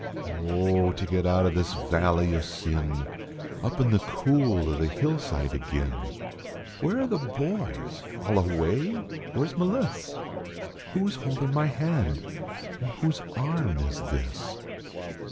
"Oh, to get out o this valley o sin Up in the cool o the hillside agin ! Where are the boys? All away ? Where s M liss? Who s holdin my hand, an whose arm is this?